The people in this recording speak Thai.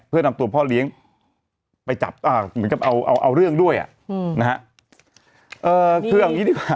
เพื่อนำตัวพ่อเลี้ยงไปจับเอาเรื่องด้วยนะฮะ